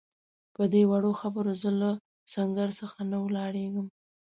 پدې وړو خبرو زه له سنګر څخه نه ولاړېږم.